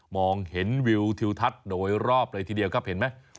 มองเห็นวิวทิวทัศน์โดยรอบเลยทีเดียวครับเห็นไหม